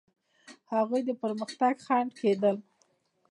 هغوی د پرمختګ خنډ کېدل.